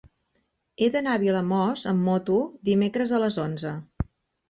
He d'anar a Vilamòs amb moto dimecres a les onze.